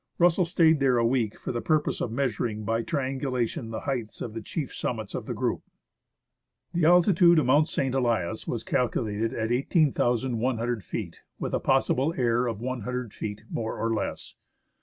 Russell stayed there a week for the purpose of measuring by triangulation the heights of the chief summits of the group. The altitude of Mount St. Elias was calculated at i8,ioo feet, with a possible error of lOO feet more or less.